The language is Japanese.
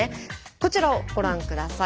こちらをご覧下さい。